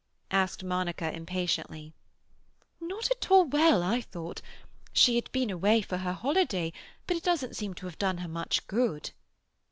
asked Monica impatiently. "Not at all well, I thought. She had been away for her holiday, but it doesn't seem to have done her much good."